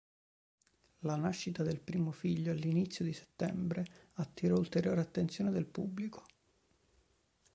La nascita del primo figlio all'inizio di settembre attirò ulteriore l'attenzione del pubblico.